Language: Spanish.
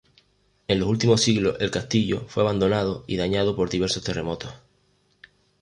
En los últimos siglos el castillo fue abandonado y dañado por diversos terremotos.